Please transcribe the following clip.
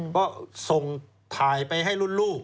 ก็ส่งถ่ายไปให้รุ่นลูก